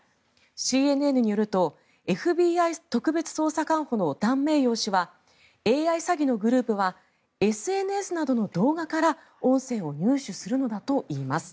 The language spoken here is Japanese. ＣＮＮによるとＦＢＩ特別捜査官補のダン・メイヨー氏はＡＩ詐欺のグループはＳＮＳなどの動画から音声を入手するのだといいます。